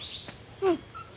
うん。